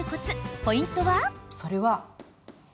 ポイントは？